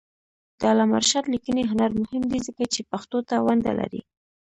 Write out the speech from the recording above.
د علامه رشاد لیکنی هنر مهم دی ځکه چې پښتو ته ونډه لري.